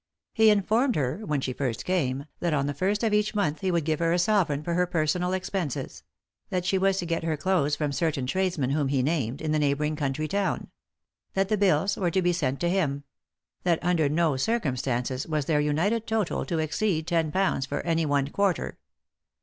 He informed her, when she first came, that on the first of each month he would give her a sovereign for her personal expenses; that she was to get her clothes from certain tradesmen whom he named, in the neighbouring country town ; that the bills were to be sent to him ; that under no circumstances was their united total to exceed ten pounds for any one quarter.